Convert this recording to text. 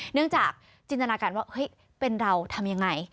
เนื่องจากจินตนาการว่าเฮ้ยเป็นเราทำยังไง